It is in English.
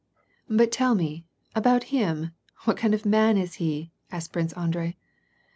But tell me, about him, what kind of a man is he ?" asked Prince Andrei.